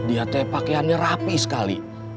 dia teh pakaiannya rapi sekali